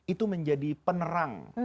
itu menjadi penerang